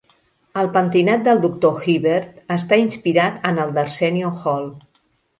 El pentinat del Doctor Hibbert està inspirat en el d'Arsenio Hall.